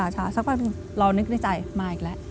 ชาสักวันรอนึกในใจมาอีกแล้ว